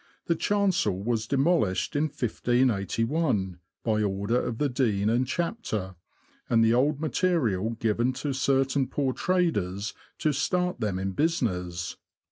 The chancel was demolished in 1 58 1, by order of the dean and chapter, and the old material given to certain poor traders to start them in business.